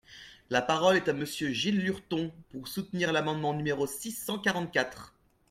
La parole est à Monsieur Gilles Lurton, pour soutenir l’amendement numéro six cent quarante-quatre.